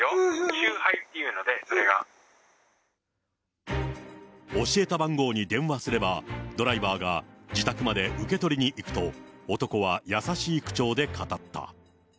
集配っていうので、それは。教えた番号に電話すれば、ドライバーが自宅まで受け取りに行くと、男は優しい口調で語った。